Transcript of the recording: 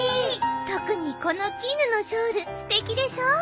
特にこの絹のショールすてきでしょ。